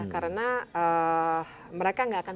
karena mereka nggak akan